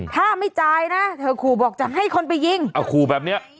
ถ้าไม่จ่ายนะเธอขู่บอกจะให้คนไปยิงเอาขู่แบบเนี้ย